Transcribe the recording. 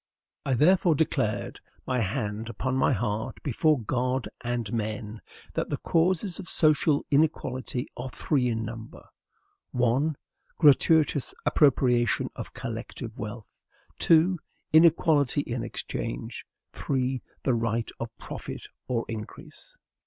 I therefore declared, my hand upon my heart, before God and men, that the causes of social inequality are three in number: 1. GRATUITOUS APPROPRIATION OF COLLECTIVE WEALTH; 2. INEQUALITY IN EXCHANGE; 3. THE RIGHT OF PROFIT OR INCREASE.